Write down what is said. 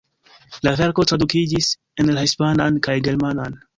La verko tradukiĝis en la hispanan kaj germanan.